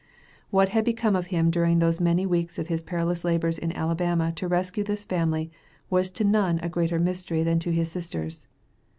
What had become of him during those many weeks of his perilous labors in Alabama to rescue this family was to none a greater mystery than to his sisters.